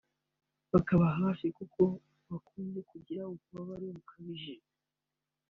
bakababa hafi kuko bakunze kugira ububabare bukabije